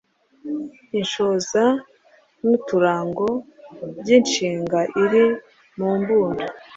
Inshoza n’uturango by’inshinga iri mu mbundo